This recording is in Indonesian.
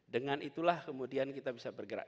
dengan itulah kemudian kita bisa bergerak